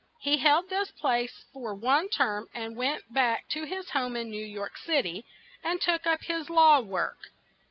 He held this place for one term and then went back to his home in New York Cit y, and took up his law work.